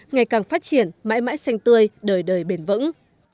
ngày càng phát triển mãi mãi xanh tươi đời đời bền vững